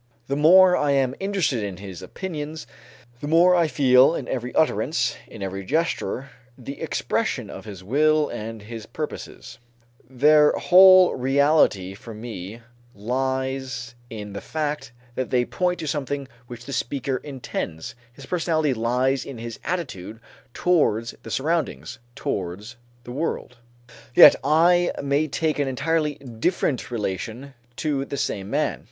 The more I am interested in his opinions, the more I feel in every utterance, in every gesture, the expression of his will and his purposes; their whole reality for me lies in the fact that they point to something which the speaker intends; his personality lies in his attitude towards the surroundings, towards the world. Yet I may take an entirely different relation to the same man.